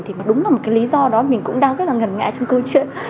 thì đúng là một lý do đó mình cũng đang rất ngần ngại trong câu chuyện